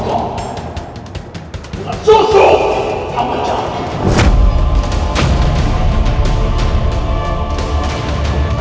jasa dari putra putri si wangi yang bisa kamu tukang